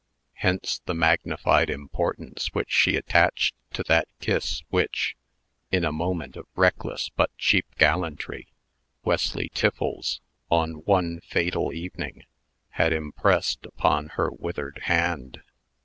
Hence the magnified importance which she attached to that kiss which, in a moment of reckless but cheap gallantry, Wesley Tiffles, on one fatal evening, had impressed upon her withered hand.